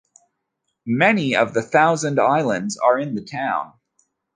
Many of the Thousand Islands are in the town.